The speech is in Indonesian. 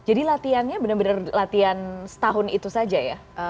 jadi latihannya benar benar latihan setahun itu saja ya